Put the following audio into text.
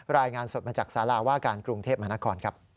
รายงานสดมาจากสาราว่าการกรุงเทพมหานครครับ